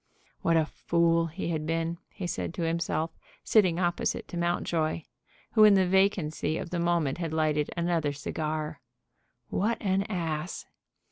"What a fool he had been," he said to himself, sitting opposite to Mountjoy, who in the vacancy of the moment had lighted another cigar; "what an ass!"